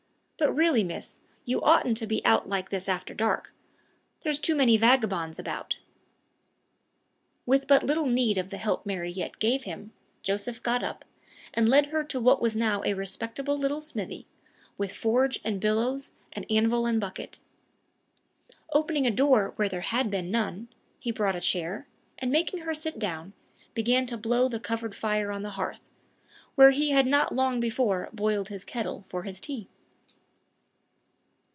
But really, miss, you oughtn't to be out like this after dark. There's too many vagabonds about." With but little need of the help Mary yet gave him, Joseph got up, and led her to what was now a respectable little smithy, with forge and bellows and anvil and bucket. Opening a door where had been none, he brought a chair, and making her sit down, began to blow the covered fire on the hearth, where he had not long before "boiled his kettle" for his tea.